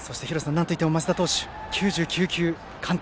なんといっても升田投手、９９球完投。